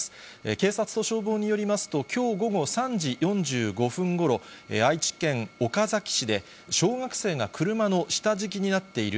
警察と消防によりますと、きょう午後３時４５分ごろ、愛知県岡崎市で、小学生が車の下敷きになっている。